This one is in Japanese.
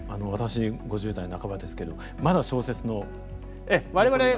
私５０代半ばですけどまだ小説の残りが。